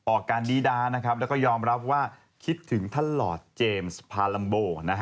ออกการดีดาแล้วก็ยอมรับว่าคิดถึงท่านหลอดเจมส์พาลัมโบ